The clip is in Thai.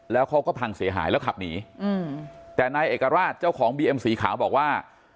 แล้วเขาก็พังเสียหายแล้วขับหนีแต่นายเอกราชเจ้าของบีเอ็มสีขาวบอกว่า